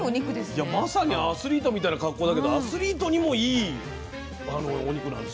まさにアスリートみたいな格好だけどアスリートにもいいお肉なんですね。